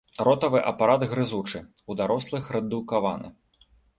Ротавы апарат грызучы, у дарослых рэдукаваны.